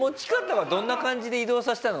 どんな感じで移動させたの？